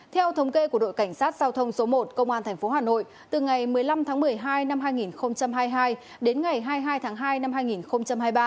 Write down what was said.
theo thống kê của đội cảnh sát giao thông số một công an tp hà nội từ ngày một mươi năm tháng một mươi hai năm hai nghìn hai mươi hai đến ngày hai mươi hai tháng hai năm hai nghìn hai mươi ba